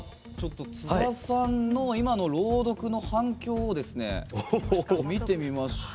津田さんの今の朗読の反響を見てみましょう。